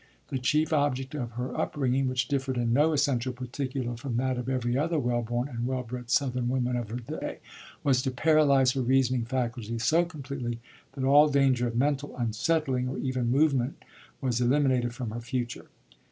The chief object of her upbringing, which differed in no essential particular from that of every other well born and well bred Southern woman of her day, was to paralyze her reasoning faculties so completely that all danger of mental "unsettling" or even movement was eliminated from her future.